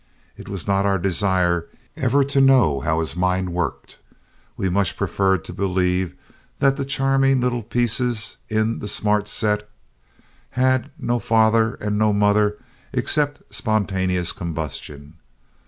It was not our desire ever to know how his mind worked. We much preferred to believe that the charming little pieces in the Smart Set had no father and no mother except spontaneous combustion.